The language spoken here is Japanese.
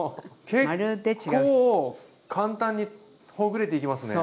結構簡単にほぐれていきますね。